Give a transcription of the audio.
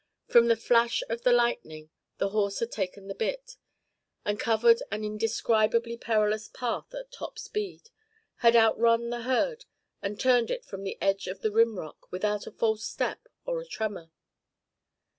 From the flash of the lightning the horse had taken the bit, and covered an indescribably perilous path at top speed, had outrun the herd and turned it from the edge of the rim rock, without a false step or a tremor.